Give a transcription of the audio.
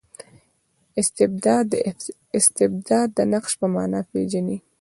استبداد د استبداد د نقش په مانا پېژني.